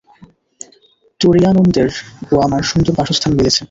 তুরীয়ানন্দের ও আমার সুন্দর বাসস্থান মিলেছে।